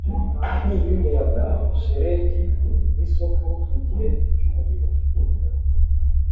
inkubi y'umuyaga, shelegi, n'isoko mugihe cyumuriro,